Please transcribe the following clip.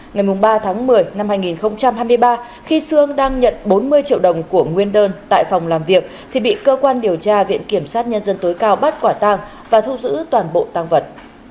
ngày ba tháng một mươi năm hai nghìn hai mươi ba khi sương đang nhận bốn mươi triệu đồng của nguyên đơn tại phòng làm việc thì bị cơ quan điều tra viện kiểm sát nhân dân tối cao bắt quả tang và thu giữ toàn bộ tăng vật